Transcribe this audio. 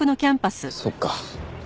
そっか。